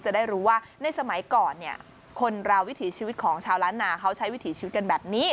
จะได้รู้ว่าในสมัยก่อนเนี่ยคนเราวิถีชีวิตของชาวล้านนาเขาใช้วิถีชีวิตกันแบบนี้